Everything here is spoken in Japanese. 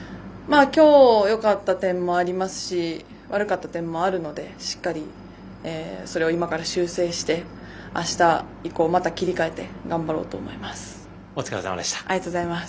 きょうよかった点もありますし悪かった点もあるのでしっかり、それを今から修正して、あした以降また切り替えて頑張ろうと思います。